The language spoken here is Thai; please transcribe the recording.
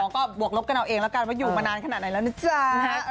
๒๕๖๒ก็บวกลบกันเอาเองล่ะแต่อยู่มานานขนาดไหนละนะจ๊ะ